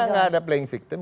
nggak ada playing victim